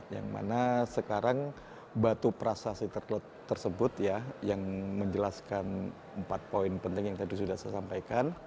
yang mana sekarang batu prasasti tersebut ya yang menjelaskan empat poin penting yang tadi sudah saya sampaikan